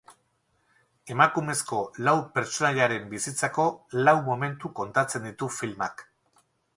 Emakumezko lau pertsonaiaren bizitzako lau momentu kontatzen ditu filmak.